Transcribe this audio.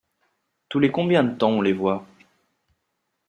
Tous les combien de temps on les voit ?